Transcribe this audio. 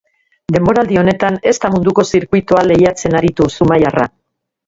Denboraldi honetan ez da munduko zirkuitua lehiatzen aritu zumaiarra.